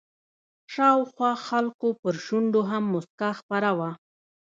شاوخوا خلکو پر شونډو هم مسکا خپره وه.